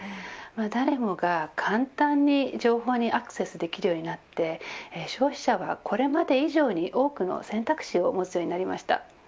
誰もが簡単に情報にアクセスできるようになって消費者はこれまで以上に多くの選択肢を持つようになりました。